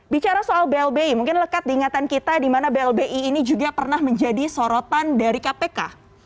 bicara soal blbi mungkin lekat diingatan kita di mana blbi ini juga pernah menjadi sorotan dari kpk